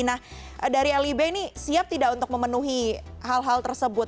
nah dari lib ini siap tidak untuk memenuhi hal hal tersebut